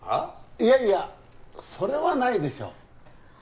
いやいやそれはないでしょう